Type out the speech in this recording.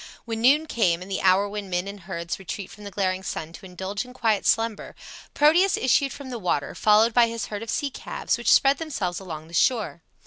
When noon came and the hour when men and herds retreat from the glaring sun to indulge in quiet slumber, Proteus issued from the water, followed by his herd of sea calves which spread themselves along the shore.